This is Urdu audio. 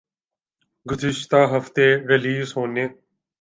گزشتہ ہفتے ریلیز ہونے